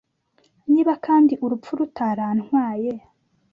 Niba kandi urupfu rutarantwaye